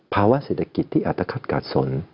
ภาวะเศรษฐกิจที่อาจจะขัดกาศสน